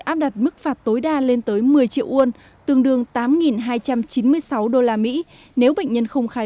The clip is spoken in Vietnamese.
áp đặt mức phạt tối đa lên tới một mươi triệu won tương đương tám hai trăm chín mươi sáu usd nếu bệnh nhân không khai